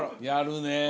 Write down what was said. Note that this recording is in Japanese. やるね。